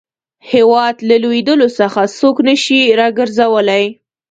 هیواد له لوېدلو څخه څوک نه شي را ګرځولای.